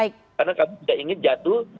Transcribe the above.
karena kami tidak ingin jatuh